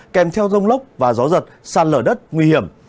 kèm theo rông lốc và gió giật sạt lở đất nguy hiểm